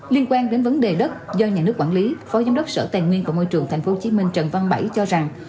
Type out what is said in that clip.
liên quan đến vấn đề đất do nhà nước quản lý phó giám đốc sở tài nguyên và môi trường tp hcm trần văn bảy cho rằng